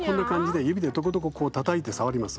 指でトコトコたたいて触ります。